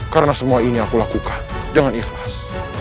karena semua ini aku lakukan dengan ikhlas